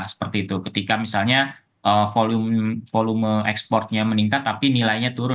seperti itu ketika misalnya volume ekspornya meningkat tapi nilainya turun